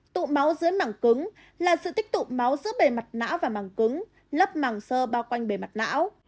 tụ máu dưới mảng cứng là sự tích tụ máu giữa bề mặt não và mảng cứng lấp mảng sơ bao quanh bề mặt não